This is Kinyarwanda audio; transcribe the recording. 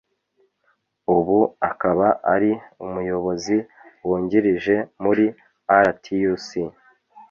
ubu akaba ari umuyobozi wungirije muri RTUC